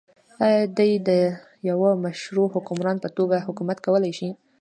آیا دی د يوه مشروع حکمران په توګه حکومت کولای شي؟